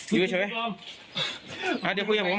เดี๋ยวคุยกับผม